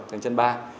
thành chân ba